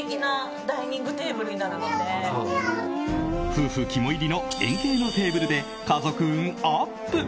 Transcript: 夫婦肝煎りの円形のテーブルで家族運アップ！